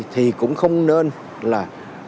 thì cũng không nên là